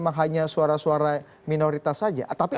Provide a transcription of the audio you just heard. hanya suara suara minoritas saja